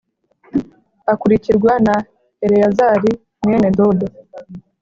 Akurikirwa na Eleyazari mwene Dodo